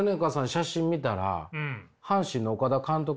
写真見たら阪神の岡田監督に似てる。